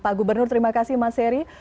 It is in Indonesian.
pak gubernur terima kasih mas heri